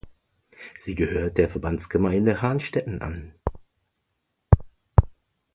Sie gehört der Verbandsgemeinde Hahnstätten an.